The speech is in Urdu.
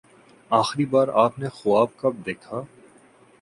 آخری بار آپ نے خواب کب دیکھا؟